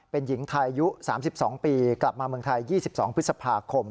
เป็นหญิงไทยอายุ๓๒ปีกลับมาเมืองไทย๒๒พฤษภาคม